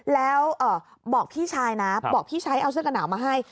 แล้วบอกพี่ชายนะบอกพี่ชายเอาเสื้อกระหนาวมาให้